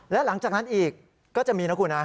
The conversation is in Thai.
และหลังจากนั้นอีกก็จะมีนะคุณนะ